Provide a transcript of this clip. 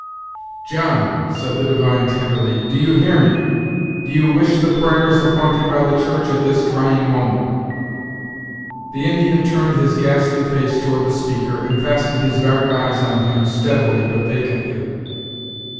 "John," said the divine, tenderly, "do you hear me? do you wish the prayers appointed by the church, at this trying moment?" The Indian turned his ghastly face toward the speaker, and fastened his dark eyes on him, steadily, but vacantly.